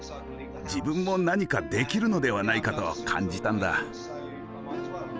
自分も何かできるのではないかと感じたんだ。